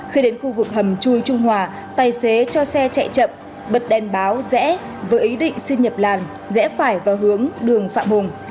khi đến khu vực hầm chui trung hòa tài xế cho xe chạy chậm bật đèn báo rẽ với ý định xin nhập làn rẽ phải vào hướng đường phạm hùng